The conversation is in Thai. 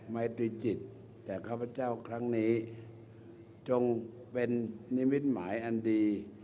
ไม้ตรีจิตแต่ข้าพเจ้าครั้งนี้จงเป็นนิมิตหมายอันดี